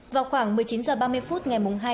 vào khoảng một mươi chín h ba mươi phút ngày hai